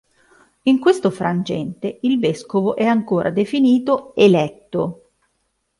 In questo frangente, il vescovo è ancora definito "eletto".